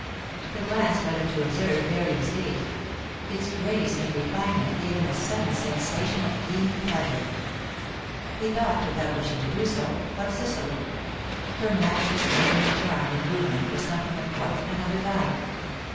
The glance led him to observe Miriam's gait; its grace and refinement gave him a sudden sensation of keen pleasure. He thought, without wishing to do so, of Cecily; her matchless, maidenly charm in movement was something of quite another kind.